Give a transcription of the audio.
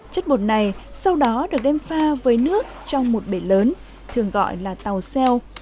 chất bột này sau đó được đem pha với nước trong một bể lớn thường gọi là tàu xeo